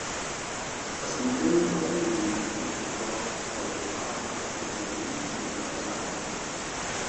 Es mantenen les alineacions actuals pel que fa a aprofitament sota rasant.